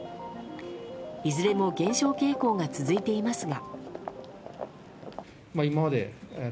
いずれも減少傾向が続いていますが。